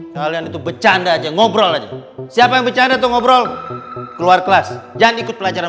kalian itu bercanda aja ngobrol aja siapa yang bercanda tuh ngobrol keluar kelas jangan ikut pelajaran